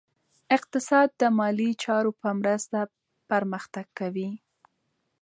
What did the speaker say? اقتصاد د مالي چارو په مرسته پرمختګ کوي.